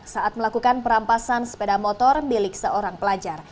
saat melakukan perampasan sepeda motor milik seorang pelajar